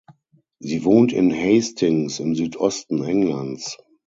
Sie wohnt in Hastings, im Südosten Englands.